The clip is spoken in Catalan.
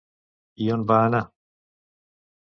I on va anar?